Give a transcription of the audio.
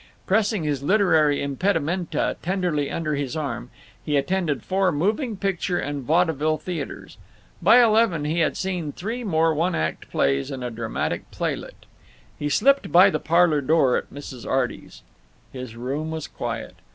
Pressing his literary impedimenta tenderly under his arm, he attended four moving picture and vaudeville theaters. By eleven he had seen three more one act plays and a dramatic playlet. He slipped by the parlor door at Mrs. Arty's. His room was quiet.